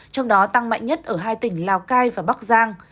trong đó tăng mạnh nhất ở hai tỉnh lào cai và bắc giang